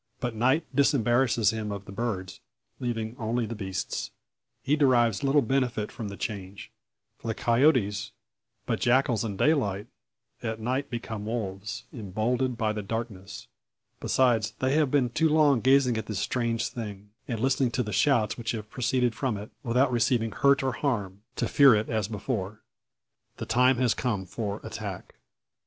But night disembarrasses him of the birds, leaving only the beasts. He derives little benefit from the change; for the coyotes, but jackals in daylight, at night become wolves, emboldened by the darkness. Besides, they have been too long gazing at the strange thing, and listening to the shouts which have proceeded from it, without receiving hurt or harm, to fear it as before. The time has come for attack.